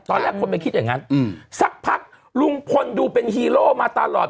ตอนแรกคนไปคิดอย่างนั้นสักพักลุงพลดูเป็นฮีโร่มาตลอด